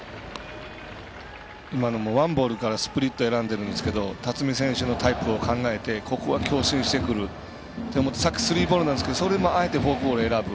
今のもワンボールからスプリット選んでいるんですが辰己選手のタイプを考えてここは強振してくると思ってさっきスリーボールなんですけどあえてフォークボールを選ぶ。